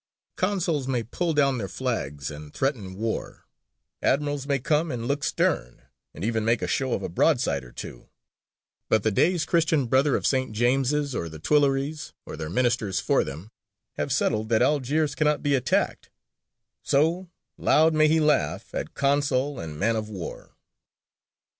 Consuls may pull down their flags and threaten war; admirals may come and look stern, and even make a show of a broadside or two; but the Dey's Christian Brother of St. James's or the Tuileries or their ministers for them have settled that Algiers cannot be attacked: so loud may he laugh at consul and man of war.